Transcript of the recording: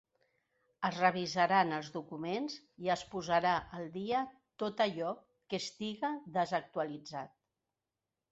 Es revisaran els documents i es posarà al dia tot allò que estiga desactualitzat.